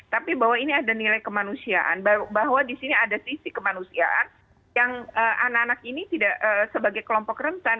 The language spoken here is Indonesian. tapi bahwa ini ada nilai kemanusiaan bahwa di sini ada sisi kemanusiaan yang anak anak ini tidak sebagai kelompok rentan